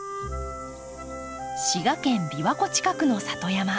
滋賀県琵琶湖の近くの里山。